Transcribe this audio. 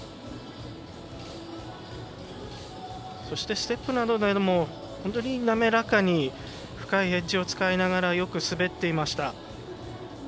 そしてステップなど本当に滑らかに深いエッジを使いながらよく滑っていました。